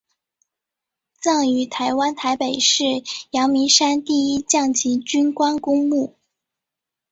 葬于台湾台北市阳明山第一将级军官公墓